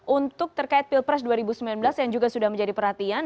untuk terkait pilpres dua ribu sembilan belas yang juga sudah menjadi perhatian